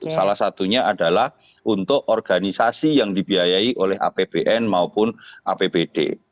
salah satunya adalah untuk organisasi yang dibiayai oleh apbn maupun apbd